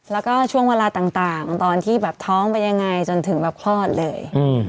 แล้วก็ช่วงเวลาต่างตอนที่แบบท้องเป็นยังไงจนถึงแบบคลอดเลย